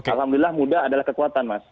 alhamdulillah mudah adalah kekuatan